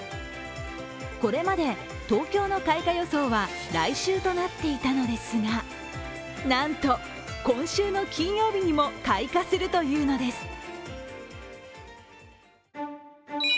これまで東京の開花予想は来週となっていたのですがなんと、今週の金曜日にも開花するというのです。